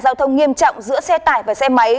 giao thông nghiêm trọng giữa xe tải và xe máy